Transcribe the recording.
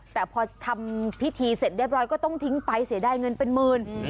แต่พอทำพิธีเสร็จเรียบร้อยก็ต้องทิ้งไปเสียดายเงินเป็นหมื่น